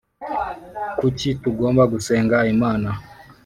Kuki tugomba gusenga Imana?